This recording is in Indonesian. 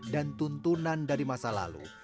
dan tuntunan dari masa lalu